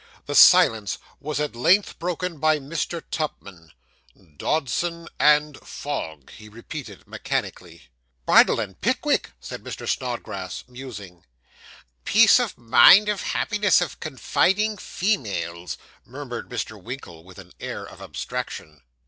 The silence was at length broken by Mr. Tupman. 'Dodson and Fogg,' he repeated mechanically. 'Bardell and Pickwick,' said Mr. Snodgrass, musing. 'Peace of mind and happiness of confiding females,' murmured Mr. Winkle, with an air of abstraction.